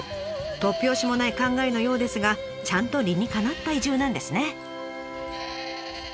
突拍子もない考えのようですがちゃんと理にかなった移住なんですね。